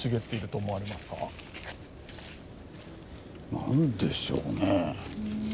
何でしょうね。